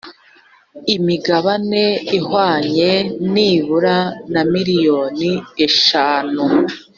imigabane ihwanye nibura na miliyoni eshanu